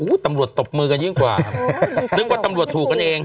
ตำรวจตบมือกันยิ่งกว่านึกว่าตำรวจถูกกันเอง